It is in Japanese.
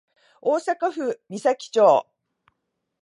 大阪府岬町